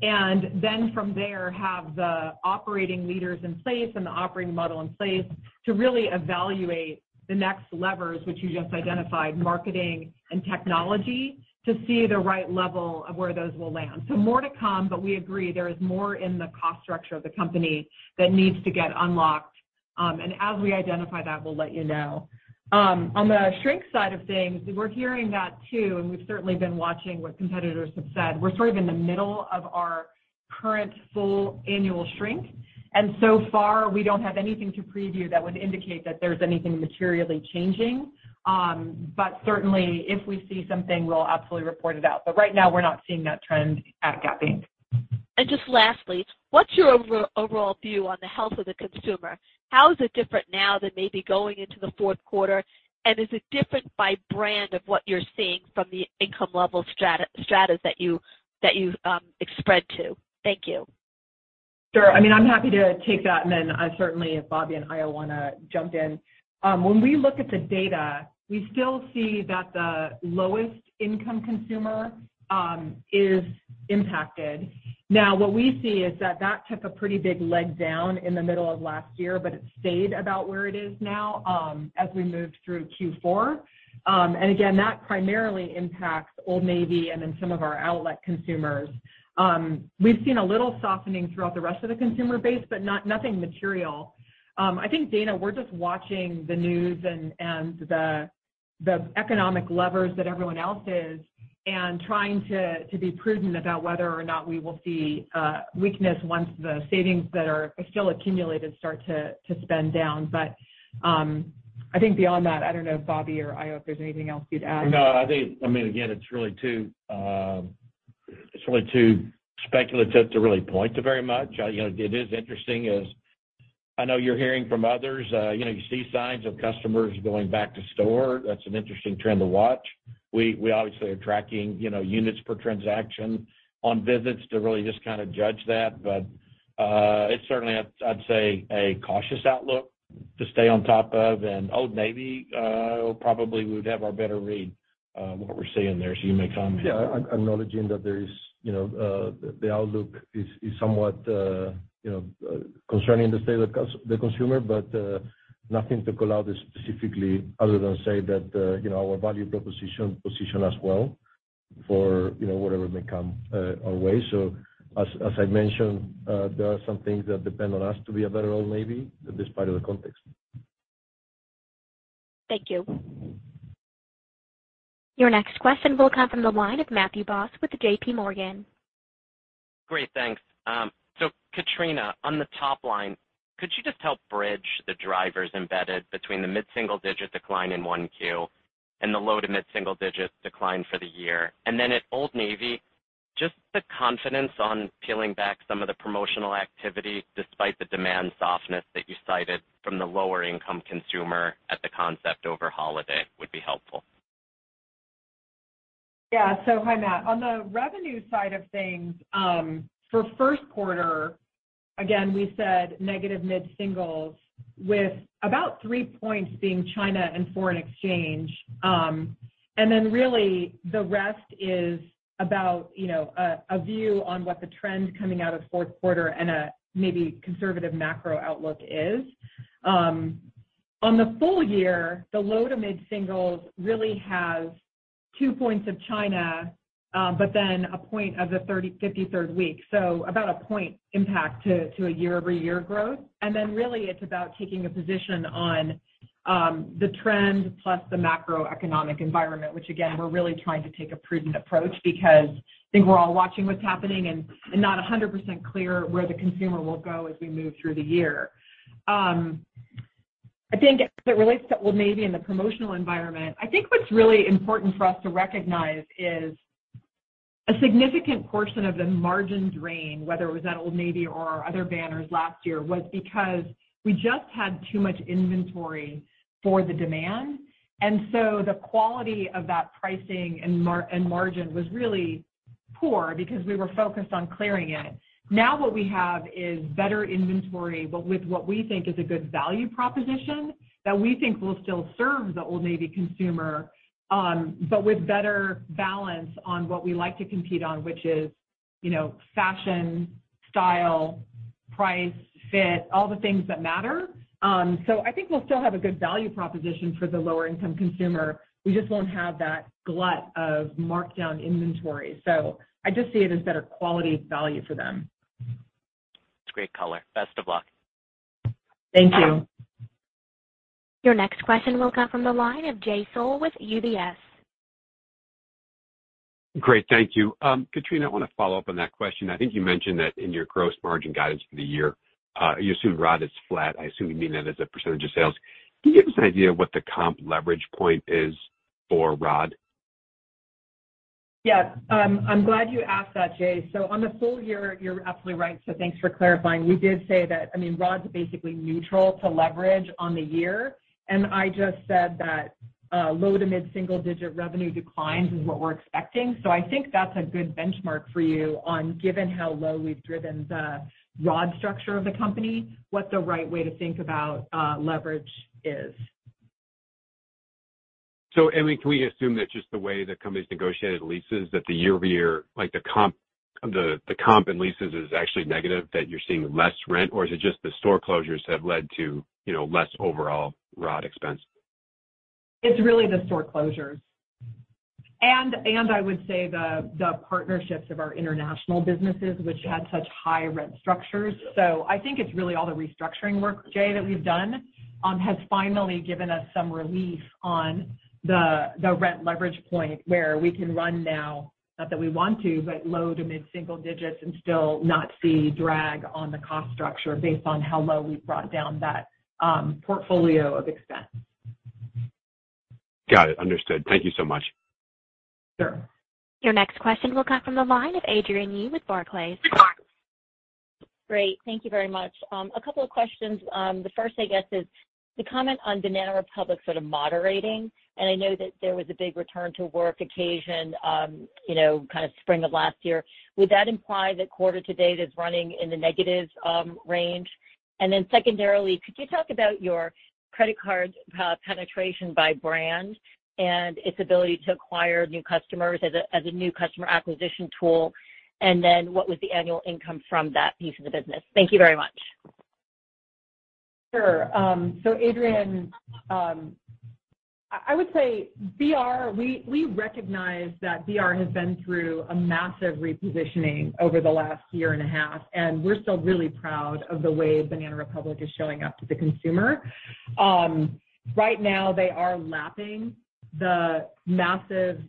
and then from there have the operating leaders in place and the operating model in place to really evaluate the next levers which you just identified, marketing and technology, to see the right level of where those will land. More to come, but we agree there is more in the cost structure of the company that needs to get unlocked. As we identify that, we'll let you know. On the shrink side of things, we're hearing that too, and we've certainly been watching what competitors have said. We're sort of in the middle of our current full annual shrink. So far, we don't have anything to preview that would indicate that there's anything materially changing. Certainly, if we see something, we'll absolutely report it out. Right now, we're not seeing that trend at Gap Inc. Just lastly, what's your overall view on the health of the consumer? How is it different now than maybe going into the fourth quarter? Is it different by brand of what you're seeing from the income level stratas that you spread to? Thank you. Sure. I mean, I'm happy to take that, and then certainly if Bobby and Haio wanna jump in. When we look at the data, we still see that the lowest income consumer is impacted. What we see is that that took a pretty big leg down in the middle of last year, but it stayed about where it is now, as we moved through Q4. That primarily impacts Old Navy and then some of our outlet consumers. We've seen a little softening throughout the rest of the consumer base, but nothing material. I think, Dana, we're just watching the news and the economic levers that everyone else is and trying to be prudent about whether or not we will see weakness once the savings that are still accumulated start to spend down. I think beyond that, I don't know if Bobby or Haio, if there's anything else you'd add. No, I think... I mean, again, it's really too, it's really too speculative to really point to very much. You know, it is interesting as I know you're hearing from others, you know, you see signs of customers going back to store. That's an interesting trend to watch. We obviously are tracking, you know, units per transaction on visits to really just kind of judge that. It's certainly, I'd say, a cautious outlook to stay on top of and Old Navy probably would have our better read what we're seeing there, you may comment. Yeah. Acknowledging that there is, you know, the outlook is somewhat, you know, concerning the state of the consumer, but nothing to call out specifically other than say that, you know, our value proposition position as well for, you know, whatever may come our way. As, as I mentioned, there are some things that depend on us to be a better Old Navy, despite of the context. Thank you. Your next question will come from the line of Matthew Boss with JPMorgan. Great. Thanks. Katrina, on the top line, could you just help bridge the drivers embedded between the mid-single digit decline in 1Q and the low to mid-single digit decline for the year? At Old Navy, just the confidence on peeling back some of the promotional activity despite the demand softness that you cited from the lower income consumer at the concept over holiday would be helpful. Hi, Matt. On the revenue side of things, for first quarter, again, we said negative mid-singles with about 3 points being China and foreign exchange. Really the rest is about, you know, a view on what the trend coming out of fourth quarter and a maybe conservative macro outlook is. On the full year, the low to mid-singles really have 2 points of China, 1 point of the 35th to 3rd week, so about a 1 point impact to a year-over-year growth. Really it's about taking a position on the trend plus the macroeconomic environment, which again, we're really trying to take a prudent approach because I think we're all watching what's happening and not 100% clear where the consumer will go as we move through the year. I think as it relates to Old Navy and the promotional environment, I think what's really important for us to recognize is a significant portion of the margin drain, whether it was at Old Navy or our other banners last year, was because we just had too much inventory for the demand. The quality of that pricing and margin was really poor because we were focused on clearing it. What we have is better inventory, but with what we think is a good value proposition that we think will still serve the Old Navy consumer, but with better balance on what we like to compete on, which is, you know, fashion, style, price, fit, all the things that matter. I think we'll still have a good value proposition for the lower income consumer. We just won't have that glut of markdown inventory. I just see it as better quality value for them. That's great color. Best of luck. Thank you. Your next question will come from the line of Jay Sole with UBS. Great. Thank you. Katrina, I want to follow up on that question. I think you mentioned that in your gross margin guidance for the year, you assume ROD is flat. I assume you mean that as a percentage of sales. Can you give us an idea what the comp leverage point is for ROD? Yes. I'm glad you asked that, Jay. On the full year, you're absolutely right, so thanks for clarifying. We did say that, I mean, ROD's basically neutral to leverage on the year, and I just said that low to mid single-digit revenue declines is what we're expecting. I think that's a good benchmark for you on given how low we've driven the ROD structure of the company, what the right way to think about leverage is. I mean, can we assume that just the way the company's negotiated leases, that the year-over-year, like the comp, the comp in leases is actually negative, that you're seeing less rent, or is it just the store closures have led to, you know, less overall ROD expense? It's really the store closures. I would say the partnerships of our international businesses, which had such high rent structures. I think it's really all the restructuring work, Jay, that we've done, has finally given us some relief on the rent leverage point where we can run now, not that we want to, but low to mid-single digits and still not see drag on the cost structure based on how low we've brought down that portfolio of expense. Got it. Understood. Thank you so much. Sure. Your next question will come from the line of Adrienne Yih with Barclays. Great. Thank you very much. A couple of questions. The first, I guess is the comment on Banana Republic sort of moderating, and I know that there was a big return to work occasion, you know, kinda spring of last year. Would that imply that quarter to date is running in the negatives, range? Secondarily, could you talk about your credit card penetration by brand and its ability to acquire new customers as a new customer acquisition tool? What was the annual income from that piece of the business? Thank you very much. Sure. Adrienne, I would say BR, we recognize that BR has been through a massive repositioning over the last year and a half, and we're still really proud of the way Banana Republic is showing up to the consumer. Right now they are lapping the massive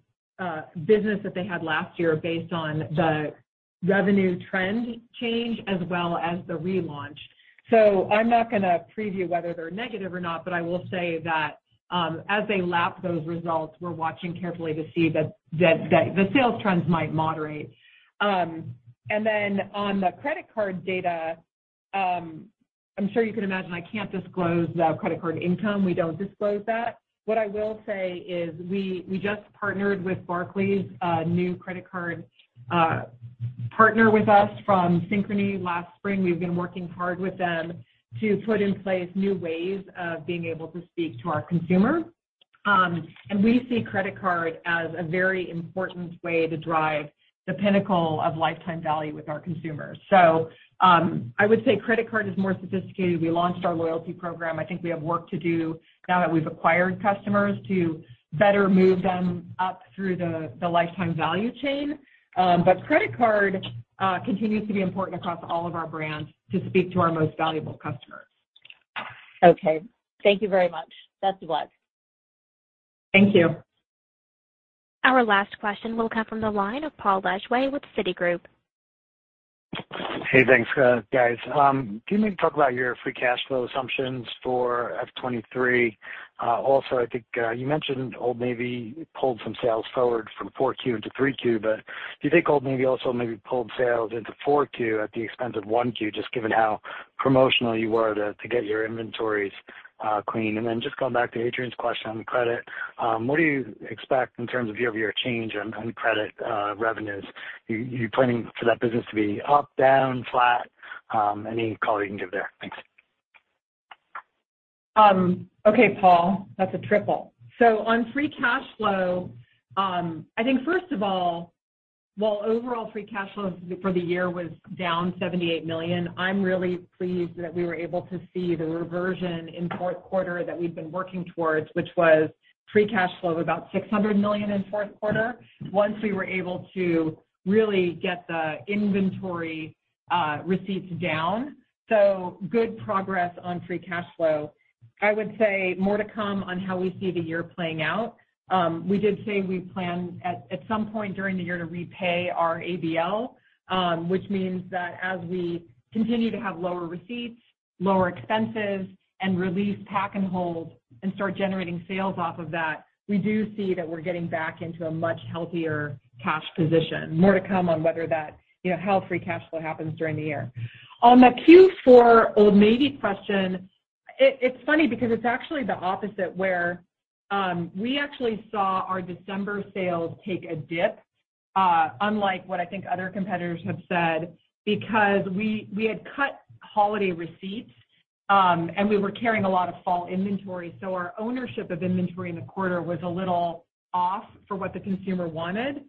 business that they had last year based on the revenue trend change as well as the relaunch. I'm not gonna preview whether they're negative or not, but I will say that as they lap those results, we're watching carefully to see that the sales trends might moderate. On the credit card data, I'm sure you can imagine I can't disclose the credit card income. We don't disclose that. What I will say is we just partnered with Barclays, new credit card partner with us from Synchrony last spring. We've been working hard with them to put in place new ways of being able to speak to our consumer. We see credit card as a very important way to drive the pinnacle of lifetime value with our consumers. I would say credit card is more sophisticated. We launched our loyalty program. I think we have work to do now that we've acquired customers to better move them up through the lifetime value chain. Credit card continues to be important across all of our brands to speak to our most valuable customers. Okay. Thank you very much. Best of luck. Thank you. Our last question will come from the line of Paul Lejuez with Citigroup. Hey. Thanks, guys. Can you maybe talk about your free cash flow assumptions for F 23? Also, I think, you mentioned Old Navy pulled some sales forward from 4Q into 3Q, but do you think Old Navy also maybe pulled sales into 4Q at the expense of 1Q, just given how promotional you were to get your inventories clean? Then just going back to Adrienne's question on credit, what do you expect in terms of year-over-year change on credit revenues? You planning for that business to be up, down, flat, any color you can give there? Thanks. Okay, Paul, that's a triple. On free cash flow, I think first of all, while overall free cash flow for the year was down $78 million, I'm really pleased that we were able to see the reversion in fourth quarter that we've been working towards, which was free cash flow of about $600 million in fourth quarter once we were able to really get the inventory receipts down. Good progress on free cash flow. I would say more to come on how we see the year playing out. We did say we plan at some point during the year to repay our ABL, which means that as we continue to have lower receipts, lower expenses, and release pack and hold and start generating sales off of that, we do see that we're getting back into a much healthier cash position. More to come on whether that, you know, how free cash flow happens during the year. On the Q4 Old Navy question, it's funny because it's actually the opposite, where we actually saw our December sales take a dip, unlike what I think other competitors have said because we had cut holiday receipts, and we were carrying a lot of fall inventory, so our ownership of inventory in the quarter was a little off for what the consumer wanted.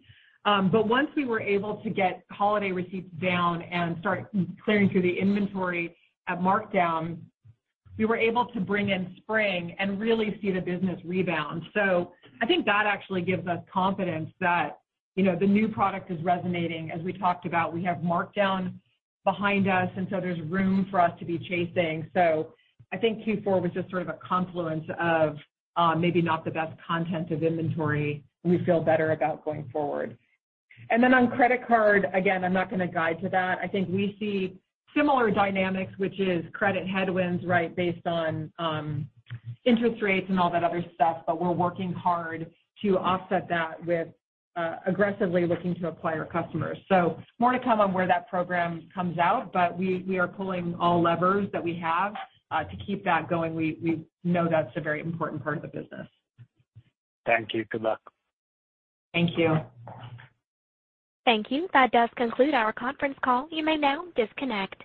Once we were able to get holiday receipts down and start clearing through the inventory at markdown, we were able to bring in spring and really see the business rebound. I think that actually gives us confidence that, you know, the new product is resonating. As we talked about, we have markdown behind us, and so there's room for us to be chasing. I think Q4 was just sort of a confluence of maybe not the best content of inventory we feel better about going forward. On credit card, again, I'm not going to guide to that. I think we see similar dynamics, which is credit headwinds, right, based on interest rates and all that other stuff, but we're working hard to offset that with aggressively looking to acquire customers. More to come on where that program comes out, but we are pulling all levers that we have to keep that going. We know that's a very important part of the business. Thank you. Good luck. Thank you. Thank you. That does conclude our conference call. You may now disconnect.